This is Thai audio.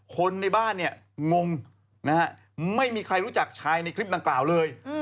คนในบ้านเนี่ยงงนะฮะไม่มีใครรู้จักชายในคลิปดังกล่าวเลย